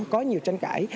có nhiều tranh cãi